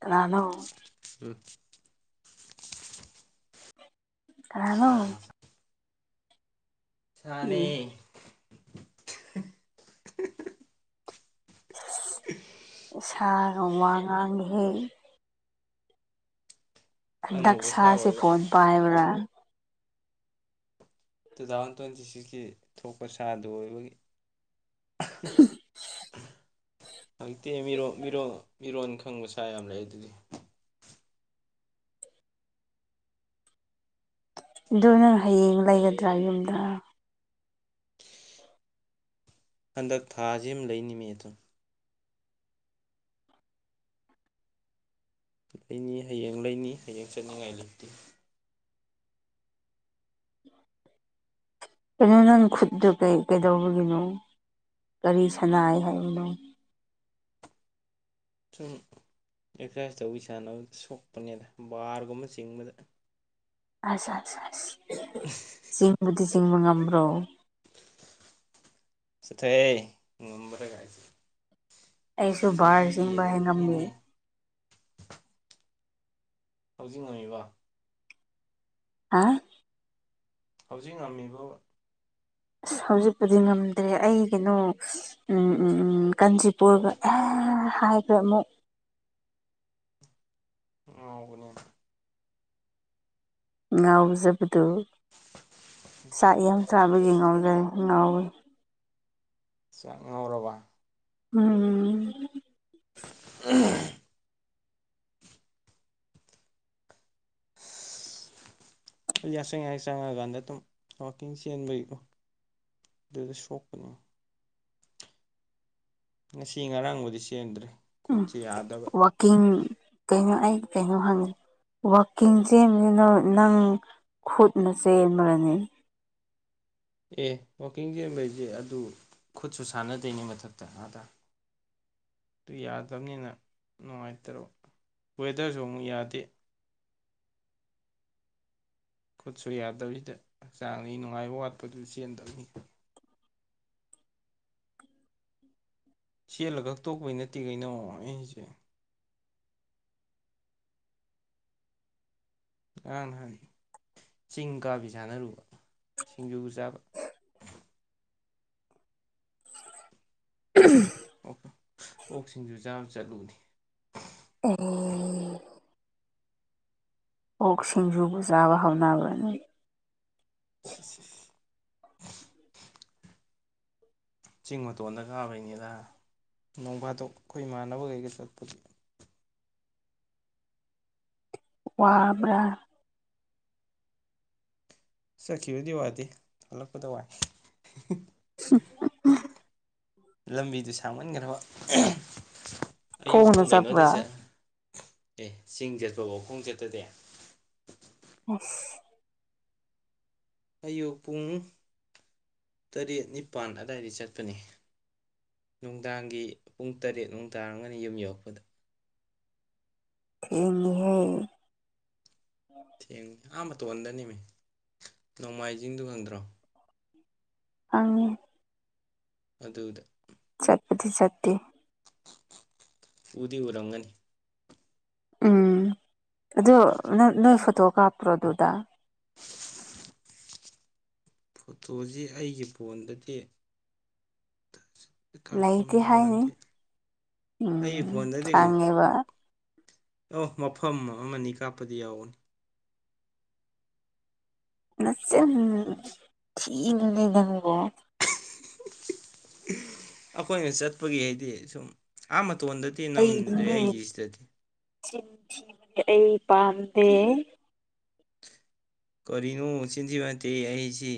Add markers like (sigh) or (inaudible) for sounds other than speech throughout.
ꯀꯅꯥꯅꯣ ꯎꯝ ꯀꯅꯥꯅꯣ ꯁꯥꯅꯤ ꯁꯥꯅꯦ (unintelligible) (unintelligible) ꯁꯥꯒ ꯋꯥ ꯉꯥꯡꯉꯤꯍꯦ ꯑꯅꯧꯕ ꯁꯥ ꯗꯛꯁꯥꯁꯦ ꯑꯣꯏꯕ ꯐꯣꯟ ꯄꯥꯏꯕ꯭ꯔꯥ ꯇꯨꯊꯥꯎꯖꯟ ꯇ꯭ꯋꯦꯟꯇꯤ ꯁꯤꯛꯁꯀꯤ ꯊꯣꯛꯄ ꯁꯥ ꯗꯨ ꯑꯣꯏꯕꯒꯤ (unintelligible) ꯍꯪꯇꯦ ꯃꯤꯔꯣꯟ ꯃꯤꯔꯣꯜ ꯃꯤꯔꯣꯟ ꯈꯪꯕ ꯁꯥ ꯌꯥꯝ ꯂꯩꯌꯦ ꯑꯗꯨꯗꯤ ꯑꯗꯨ ꯅꯪ ꯍꯌꯦꯡ ꯂꯩꯒꯗ꯭ꯔꯥ ꯌꯨꯝꯗ ꯍꯟꯗꯛ ꯊꯥꯁꯤꯝ ꯂꯩꯅꯤꯃꯦ ꯑꯗꯨ ꯂꯩꯅꯤ ꯍꯌꯦꯡ ꯂꯩꯅꯤ ꯍꯌꯦꯡ ꯆꯠꯅꯤꯡꯉꯥꯏ ꯂꯩꯇꯦ (inaudible) ꯀꯩꯅꯣ ꯅꯪ ꯈꯨꯠꯗꯣ ꯀꯩ ꯀꯩꯗꯧꯕꯒꯤꯅꯣ ꯀꯔꯤ ꯁꯅꯥꯏ ꯍꯥꯏꯅꯣ (unintelligible) ꯑꯦꯛꯁꯔꯁꯥꯏꯁ ꯇꯧꯕꯤ ꯁꯥꯟꯅꯕꯗ ꯁꯣꯛꯄꯅꯦꯗ ꯕꯥꯔꯒꯨꯝꯕ ꯆꯤꯡꯕꯗ ꯑꯁ ꯑꯁ ꯑꯁ ꯆꯤꯡꯕꯗꯤ ꯆꯤꯡꯕ ꯉꯝꯕ꯭ꯔꯣ ꯆꯠꯊꯣꯍꯦ ꯉꯝꯕ꯭ꯔ ꯒꯥꯏ ꯑꯩꯁꯨ ꯕꯥꯥꯔ ꯆꯤꯡꯕ (unintelligible) ꯍꯧꯖꯤꯛ ꯉꯝꯃꯤꯕꫭ ꯍꯥ ꯍꯧꯖꯤꯛ ꯉꯝꯃꯤꯕꯣ ꯑꯁ ꯍꯧꯖꯤꯛꯄꯨꯗꯤ ꯉꯝꯗ꯭ꯔꯦ ꯑꯩ ꯀꯩꯅꯣ ꯎꯝ ꯎꯝ ꯎꯝ ꯀꯥꯟꯆꯤꯄꯨꯔꯒ (unintelligible) (unintelligible) ꯍꯥꯏꯕ ꯑꯃ (inaudible) ꯉꯥꯎꯕꯅꯦ ꯉꯥꯎꯖꯕꯗꯣ ꯆꯥꯛ ꯌꯥꯝ ꯆꯥꯕꯒꯤ ꯉꯥꯎꯖꯩ ꯉꯥꯎꯋꯤ ꯆꯥꯛ ꯉꯥꯎꯔꯕ ꯎꯝ (unintelligible) (inaudible) ꯌꯥꯆꯪ ꯌꯥꯆꯪꯉꯀꯥꯟꯗ ꯑꯗꯨꯝ ꯋꯥꯛꯀꯤꯡ ꯆꯦꯟꯕꯒꯤꯀꯣ ꯗꯨꯗ ꯁꯣꯛꯄꯅꯦ ꯉꯁꯤ ꯉꯔꯥꯡꯕꯨꯗꯤ ꯆꯦꯟꯗ꯭ꯔꯦ ꯎꯝ ꯈꯨꯠꯁꯦ ꯌꯥꯗꯕ ꯋꯥꯛꯀꯤꯡ ꯀꯩꯅꯣ ꯑꯩ ꯀꯩꯅꯣ ꯍꯪꯉꯤ ꯋꯥꯛꯀꯤꯡ ꯆꯦꯟꯕꯖꯤ (unintelligible) ꯅꯪ ꯈꯨꯠꯅ ꯆꯦꯟꯕ꯭ꯔꯅꯦ ꯑꯦ ꯋꯥꯀꯤꯡ ꯆꯦꯟꯕꯩꯖꯦ ꯑꯗꯨ ꯈꯨꯠꯁꯨ ꯁꯥꯟꯅꯗꯣꯏꯅꯦ ꯃꯊꯛꯇ ꯑꯥꯗ ꯗꯨ ꯌꯥꯗꯞꯅꯤꯅ ꯅꯨꯡꯉꯥꯏꯇ꯭ꯔꯕ ꯋꯦꯗꯔꯖꯨ ꯑꯃꯨꯛ ꯌꯥꯗꯦ ꯈꯨꯠꯁꯨ ꯌꯥꯗꯕꯤꯗ ꯍꯛꯆꯥꯡꯗꯤ ꯅꯨꯡꯉꯥꯏꯕ ꯋꯥꯠꯄꯗꯨ ꯆꯦꯟꯗꯝꯅꯤ ꯆꯦꯜꯂ ꯈꯛ ꯇꯣꯛꯄꯩ ꯅꯠꯇꯦ ꯀꯩꯅꯣ (unintelligible) ꯉꯔꯥꯡ ꯅꯍꯥꯟ ꯆꯤꯡ ꯀꯥꯕꯤ ꯁꯥꯟꯅꯔꯨꯕ ꯁꯤꯡꯖꯨ ꯆꯥꯕ‌ (unintelligible) (unintelligible) ꯑꯣꯛ ꯁꯤꯡꯖꯨ ꯆꯥꯕ ꯆꯠꯂꯨꯕꯅꯤ ꯑꯣ ꯑꯣꯛ ꯁꯤꯡꯖꯨꯕꯨ ꯆꯥꯕ ꯍꯧꯅꯕ꯭ꯔ ꯅꫭꯏ (inaudible) ꯆꯤꯡ ꯃꯇꯣꯟꯗ ꯀꯥꯕꯩꯅꯤꯗ ꯅꯣꯡ ꯐꯥꯗꯣꯛ ꯑꯈꯣꯏ ꯏꯃꯥꯟꯅꯕꯒꯩꯒ ꯆꯠꯄ ꯋꯥꯕ꯭ꯔ ꯆꯠꯈꯤꯕꯗꯤ ꯋꯥꯗꯦ ꯍꯂꯛꯄꯗ ꯋꯥꯏ (unintelligible) (unintelligible) ꯂꯝꯕꯤꯗꯨ ꯁꯥꯡꯃꯟꯒ꯭ꯔꯕ (unintelligible) ꯑꯌꯨꯛ ꯄꯨꯡ ꯀꯩꯅꯣꯗꯩ ꯆꯠ ꯑꯦ ꯆꯤꯡ ꯆꯠꯄꯕꯨ ꯈꯣꯡ ꯆꯠꯇꯗꯤ ꯑꯁ ꯑꯌꯨꯛ ꯄꯨꯡ ꯇꯔꯦꯠ ꯅꯤꯄꯥꯟ ꯑꯗꯥꯏꯗꯩ ꯆꯠꯄꯅꯦ ꯅꯨꯡꯗꯥꯡꯒꯤ ꯄꯨꯡ ꯇꯔꯦꯠ ꯃꯨꯛ ꯇꯥꯔꯝꯒꯅꯤ ꯌꯨꯝ ꯌꯧꯔꯛꯄꯗ ꯊꯦꯡꯉꯤꯍꯦ ꯊꯦꯡ ꯑꯥ ꯃꯇꯣꯟꯗꯅꯤꯃꯦ ꯅꯣꯡꯃꯥꯏꯖꯤꯡꯗꯨ ꯈꯪꯗ꯭ꯔꯣ ꯈꯪꯉꯦ ꯑꯗꯨꯗ ꯆꯠꯄꯗꯤ ꯆꯠꯇꯦ ꯎꯗꯤ ꯎꯔꯝꯒꯅꯤ ꯎꯝ ꯑꯗꯨ ꯅꯪ ꯅꯣꯏ ꯐꯣꯇꯣ ꯀꯥꯞꯄ꯭ꯔꯣ ꯑꯗꯨꯗ ꯐꯣꯇꯣꯖꯤ ꯑꯩꯒꯤ ꯐꯣꯟꯗꯗꯤ ꯂꯩꯇꯦ ꯀꯥꯞꯄꯝꯗꯧ ꯍꯥꯏꯅꯤ ꯃꯥꯟꯗꯦ ꯎꯝ ꯑꯩꯒꯤ ꯈꯥꯡꯉꯦꯕ ꯑꯣ ꯃꯐꯝ ꯑꯃꯅꯤ ꯀꯥꯞꯄꯗꯤ ꯌꯥꯎꯕꯅꯤ ꯃꯆꯤꯟ ꯊꯤꯅꯨꯅꯦ ꯅꯪꯕꯣ ꯑꯈꯣꯏꯅ ꯆꯠꯄꯒꯤ ꯍꯥꯏꯗꯤ ꯁꯨꯝ ꯑꯥ ꯃ ꯇꯣꯟꯗꯗꯤ ꯅꯝꯗ꯭ꯔꯦ ꯑꯩꯒꯤꯁꯤꯗꯗꯤ ꯆꯤꯟꯊꯤꯕꯗꯤ ꯑꯩ ꯄꯥꯝꯗꯦ ꯀꯔꯤꯅꯣ ꯆꯤꯟꯊꯤꯕ ꯇꯠꯇꯦ ꯑꯩꯍꯥꯏꯁꯤ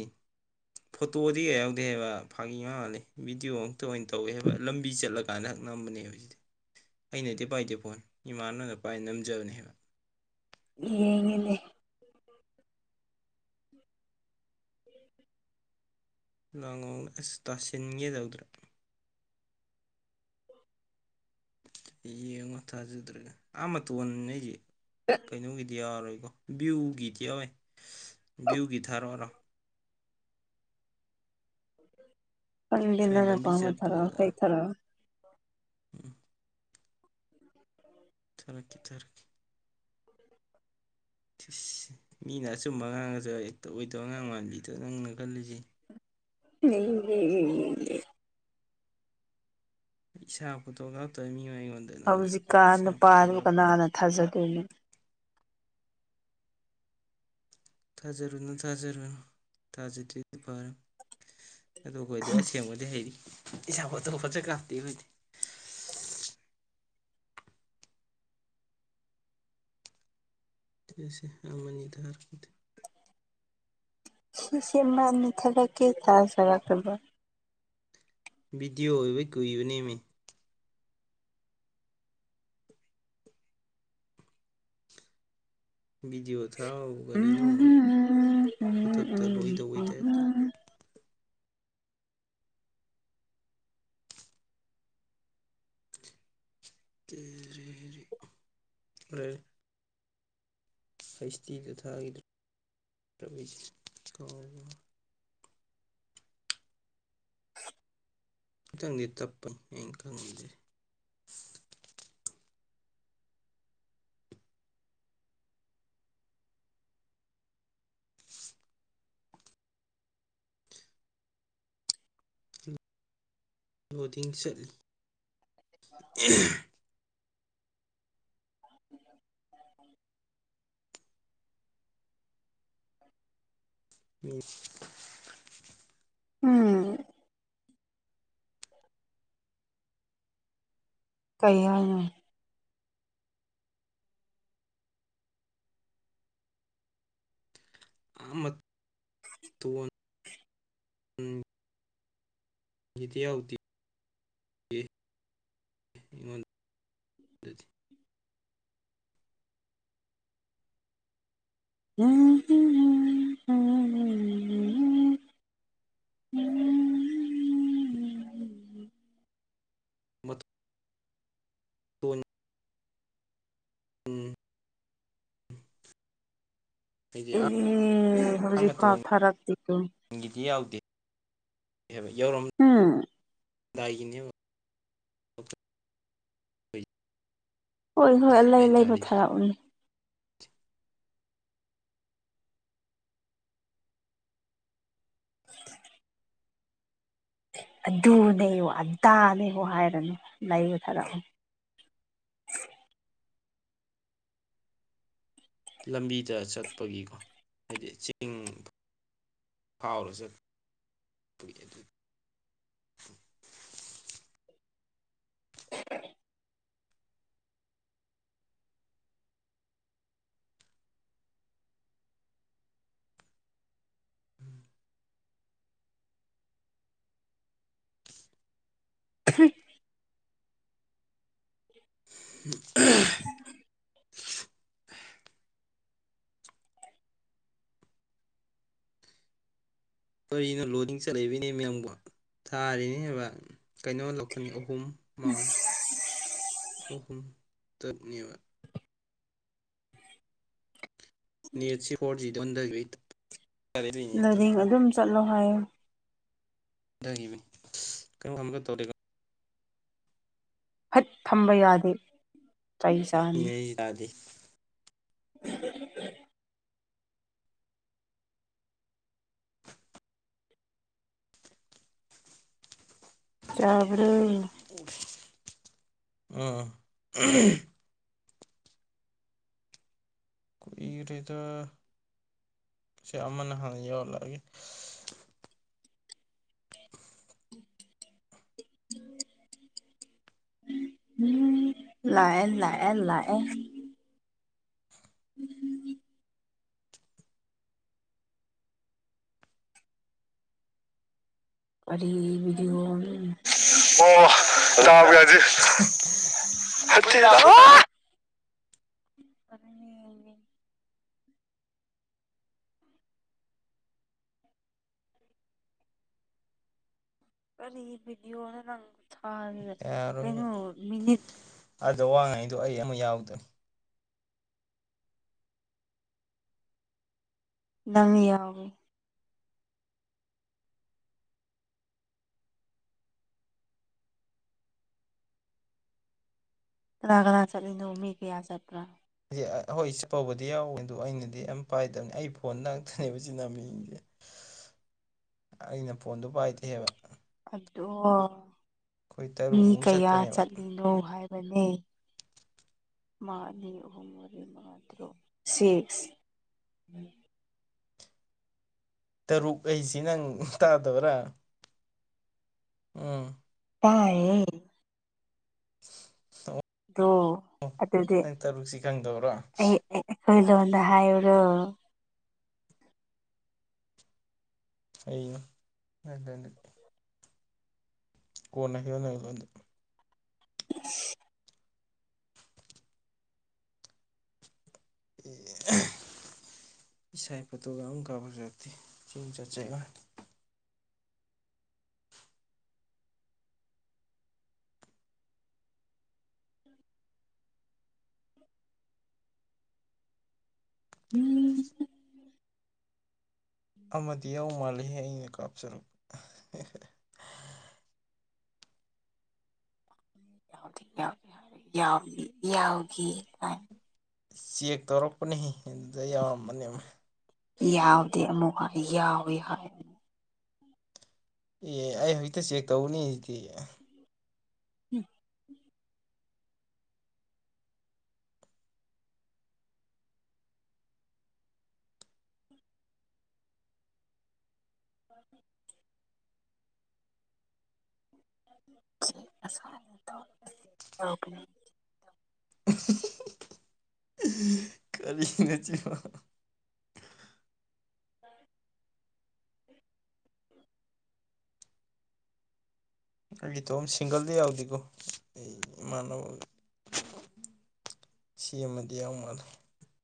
ꯐꯣꯇꯣꯗꯤ ꯀꯌꯥ ꯌꯥꯎꯗꯦ ꯍꯥꯏꯕ ꯐꯥꯒꯤ ꯃꯥꯟ ꯃꯥꯜꯂꯦ ꯚꯤꯗꯤꯌꯣ ꯉꯛꯇ ꯑꯣꯏꯟ ꯇꯧꯋꯦ ꯍꯥꯏꯕ ꯂꯝꯕꯤ ꯆꯠꯂ ꯀꯥꯟꯗ ꯍꯛ ꯅꯝꯕꯅꯦꯕ ꯁꯤꯗꯤ ꯑꯩꯅꯗꯤ ꯄꯥꯏꯗꯦ ꯐꯣꯟ ꯏꯃꯥꯟꯅꯕꯅ ꯄꯥꯏ ꯅꯝꯖꯕꯅꯦꯕ ꯌꯦꯡꯉꯒꯦꯅꯦ ꯂꯥꯡꯉꯧ ꯑꯁ ꯇꯥꯁꯤꯟꯒꯦ ꯇꯧꯗ꯭ꯔꯥ ꯌꯦꯡꯉꯣ ꯊꯥꯖꯗ꯭ꯔꯒ ꯑꯥ ꯃꯇꯣꯟꯅꯦ ꯀꯩꯅꯣꯒꯤꯗꯤ ꯌꯥꯎꯔꯣꯏ ꯕꯣ ꯚ꯭ꯌꯨꯒꯤꯗꯤ ꯌꯥꯎꯋꯦ ꯚ꯭ꯌꯨꯒꯤ ꯊꯥꯔꯛꯑꯣꯔꯣ ꯈꯪꯗꯦ ꯑꯩꯈꯣꯏ ꯅꯪꯅ ꯂꯝꯕꯤ ꯄꯥꯝꯕ ꯊꯔꯛꯑꯣ ꯆꯠꯄꯗ ꯍꯣꯏ ꯊꯔꯛꯑꯣ ꯎꯝ ꯊꯥꯔꯛꯀꯦ ꯊꯥꯔꯛꯀꯦ ꯁꯤꯁ ꯃꯤꯅ ꯑꯆꯨꯝꯕ ꯉꯥꯡꯉꯁꯨ ꯍꯦꯛꯇ ꯑꯣꯏꯗꯕ ꯉꯥꯡ ꯃꯥꯜꯂꯤꯗꯣ ꯅꯪꯅ ꯈꯜꯂꯤꯖꯦ (inaudible) (unintelligible) ꯏꯁꯥ ꯐꯣꯇꯣ ꯀꯥꯞꯇꯕ ꯃꯤꯑꯣꯏ ꯍꯧꯖꯤꯛꯀꯥꯟ ꯅꯨꯄꯥꯗꯨ ꯀꯅꯥꯅ ꯊꯥꯖꯗꯣꯏꯅꯣ ꯊꯥꯖꯔꯨꯅꯨ ꯊꯥꯖꯔꯨꯅꯨ ꯊꯥꯖꯗ꯭ꯔꯗꯤ ꯐꯔꯦ ꯑꯗꯨ ꯑꯈꯣꯏꯗꯤ ꯑꯁꯦꯡꯕꯗꯤ ꯍꯩꯔꯤ ꯏꯁꯥ ꯐꯣꯇꯣ ꯐꯖ ꯀꯥꯞꯇꯦ ꯑꯈꯣꯏꯗꯤ (unintelligible) ꯁꯤꯁꯦ ꯃꯥꯅꯤ ꯊꯥꯕꯛꯀꯤ (unintelligible) ꯚꯤꯗꯤꯌꯣ ꯑꯣꯏꯕꯩ ꯀꯨꯏꯕꯅꯦꯃꯤ ꯚꯤꯗꯤꯌꯣ ꯊꯥꯕꯕꯨ ꯀꯔꯤꯅꯣ ꯈꯨꯗꯛꯇ ꯂꯣꯏꯗꯧꯕꯩ ꯇꯥꯏꯞꯇ (unintelligible) ꯍꯩꯁ ꯗꯤꯗ ꯊꯥꯒꯤꯗ꯭ꯔꯦ (unintelligible) ꯈꯤꯇꯪꯗꯤ ꯇꯞꯄꯅꯤ ꯑꯩꯅ ꯈꯪꯉꯤꯖꯦ ꯂꯣꯗꯤꯡ ꯆꯠꯂꯤ (unintelligible) (inaudible) ꯃꯤꯁ ꯎꯝ ꯀꯩ ꯍꯥꯏꯅꯣ (unintelligible) ꯒꯤꯗꯤ ꯌꯥꯎꯗꯤ ꯌꯦ ꯑꯩꯉꯣꯟ ꯗꯗꯤ ꯍꯨꯝ ꯍꯨꯝ ꯍꯨꯝ (unintelligible) ꯃꯗꯨ ꯇꯣꯟ ꯎꯝ ꯍꯥꯏꯗꯤ ꯑꯥ ꯍꯧꯖꯤꯛ ꯐꯥꯎ ꯃꯇꯣꯟꯒꯤꯗꯤ ꯊꯔꯛꯇꯦꯀꯣ ꯌꯥꯎꯗꯦ ꯍꯥꯏꯕ ꯌꯧꯔꯝꯗꯥꯏꯒꯤꯅꯦꯕ ꯍꯣꯏ ꯍꯣꯏ ꯑꯂꯩ ꯑꯩꯅ ꯂꯩꯕ ꯊꯥꯔꯤꯗꯨ ꯊꯥꯔꯛꯎꯅꯦ (unintelligible) ꯑꯗꯨꯅꯦꯌꯨ ꯑꯗꯥꯅꯦꯌꯨ ꯍꯥꯏꯔꯅꯨ ꯂꯩꯕ ꯊꯥꯔꯛꯑꯣ (inaudible) ꯂꯝꯕꯤꯗ ꯆꯠꯄꯒꯤꯀꯣ ꯍꯥꯏꯗꯤ ꯆꯤꯡ ꯐꯥꯎꯔ ꯆꯠ (inaudible) (inaudible) (inaudible) (inaudible) ꯀꯔꯤꯅꯣ ꯂꯣꯗꯤꯡ ꯆꯠ ꯂꯩꯕꯩꯅꯦꯃꯤ ꯅꯪꯕꯣ ꯊꯥꯔꯤꯅꯦꯕ ꯀꯩꯅꯣ ꯂꯥꯛꯀꯅꯤ ꯑꯍꯨꯝ ꯃꯉꯥ ꯑꯍꯨꯝ ꯇꯔꯨꯛ ꯅꯦꯕ ꯅꯦꯠꯁꯤ ꯐꯣꯔꯖꯤꯗ ꯑꯣꯟꯗꯒꯔꯦ ꯂꯣꯗꯤꯡ ꯑꯗꯨꯝ ꯆꯠꯂꯣ ꯍꯥꯏꯌꯣ (inaudible) (unintelligible) ꯐꯠ ꯊꯝꯕ ꯌꯥꯗꯦ (inaudible) ꯅꯩ ꯌꯥꯗꯦ (inaudible) (inaudible) ꯆꯥꯕ꯭ꯔꯣ ꯑ (unintelligible) ꯀꯨꯢꯔꯦꯗ ꯑꯃꯅ ꯍꯥꯟꯅ ꯌꯧꯍꯜꯂꯛ ꯑ ꯒꯦ (inaudible) ꯎꯝ ꯂꯥꯛꯑꯦ ꯂꯥꯛꯑꯦ ꯂꯥꯛꯑꯦ (inaudible) (unintelligible) (unintelligible) (inaudible) ꯀꯔꯤ ꯚꯤꯗꯤꯑꯣꯅꯣ ꯅꯪ ꯊꯥꯔꯤꯁꯦ ꯌꯥꯔꯣꯏꯕ ꯀꯩꯅꯣ ꯃꯤꯅꯤꯠ ꯑꯗꯨ ꯑꯩ ꯑꯃ ꯌꯥꯎꯗ꯭ꯔꯣ ꯅꯪ ꯌꯥꯎꯏ ꯀꯅꯥ ꯀꯅꯥ ꯆꯠꯂꯤꯅꯣ ꯃꯤ ꯀꯌꯥ ꯆꯠꯄ꯭ꯔꯥ ꯗꯤ ꯍꯣꯏ ꯆꯠꯄꯕꯨꯗꯤ ꯌꯥꯎꯋꯦ ꯑꯗꯨ ꯑꯩꯅꯗꯤ ꯌꯥꯝ ꯄꯥꯏꯗꯕꯅꯤ ꯑꯩ ꯐꯣꯟ ꯉꯥꯛꯇꯅꯦꯕ ꯅꯥꯝꯃꯤꯁꯦ ꯑꯩꯅ ꯐꯣꯟꯗꯣ ꯄꯥꯏꯗꯦꯕ ꯑꯗꯣ ꯑꯩꯈꯣꯏ ꯃꯤ ꯇꯔꯨꯛꯃꯨꯛ ꯀꯌꯥ ꯆꯠꯄꯅꯦꯕ ꯆꯠꯂꯤꯅꯣ ꯍꯥꯏꯕꯅꯦ ꯑꯃ ꯑꯅꯤꯑꯍꯨꯝ ꯃꯔꯤ ꯃꯉꯥ ꯇꯔꯨꯛ ꯁꯤꯛꯁ (inaudible) ꯇꯔꯨꯛ ꯑꯩꯁꯤ ꯅꯪ ꯇꯥꯗꯕ꯭ꯔꯥ ꯎꯝ ꯇꯥꯌꯦ ꯗꯣ ꯑꯗꯨꯗꯤ ꯅꯪ ꯇꯔꯨꯛꯁꯤ ꯈꯪꯗꯕ꯭ꯔꯥ ꯑꯩ (unintelligible) (inaudible) (inaudible) (inaudible) (unintelligible) (unintelligible) (unintelligible) ꯑꯃꯗꯤ ꯌꯥꯎ ꯃꯥꯜꯂꯤꯍꯦ ꯑꯩꯅ ꯀꯥꯞꯆꯔꯛ (inaudible) ꯆꯦꯛ ꯇꯧꯔꯛꯄꯅꯦꯍꯦ ꯑꯗꯨꯗ ꯌꯥꯎꯔꯝꯕꯅꯦꯕ ꯌꯥꯎꯏ ꯍꯥꯏ ꯑꯦ ꯑꯩ ꯍꯖꯤꯛꯇ ꯆꯦꯛ ꯇꯧꯕꯅꯤ ꯑꯩꯗꯤ (inaudible) (inaudible) (inaudible) (inaudible) ꯀꯔꯤ ꯅꯆꯤꯟꯅꯣ (unintelligible) (inaudible) ꯑꯩ ꯏꯇꯣꯝ ꯁꯤꯡꯒꯜꯗ ꯌꯥꯎꯗꯦꯀꯣ ꯑꯩ ꯏꯃꯥꯟꯅꯕ ꯁꯦꯝꯃꯗꯤ ꯌꯥꯎ ꯃꯥꯜꯂꯦ